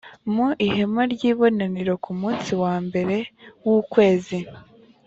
mu ihema ry ibonaniro ku munsi wa mbere w ukwezi